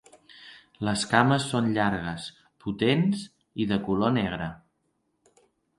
Les cames són llargues, potents i de color negre.